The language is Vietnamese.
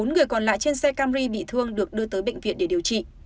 bốn người còn lại trên xe camry bị thương được đưa tới bệnh viện để điều trị